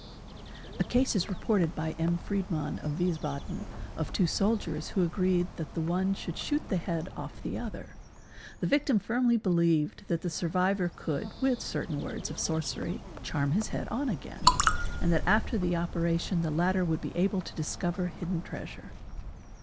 ai A case is reported by M. Freidmann 6 0 of Wiesbaden of tw soldiers who agreed that the one should shoot the head off the other. 'TE victim firmly believed that the survivor could with certain words © sorcery charm his head on again and that after the operation the lati SUPERSTITION ATTACHING TO CORPSES, ETC. 383 would be able to discover hidden treasure.